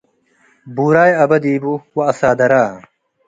ቡራዶ አበ’ ዲቡ - ወአሳደረ